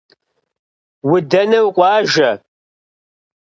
Удэнэ къуажэ?